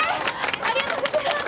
ありがとうございます！